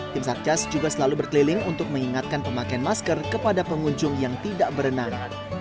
tim satgas juga selalu berkeliling untuk mengingatkan pemakaian masker kepada pengunjung yang tidak berenang